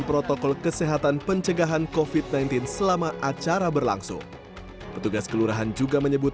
protokol kesehatan pencegahan kofit sembilan belas selama acara berlangsung petugas kelurahan juga menyebut